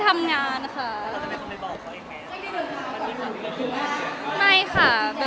ไม่ค่ะ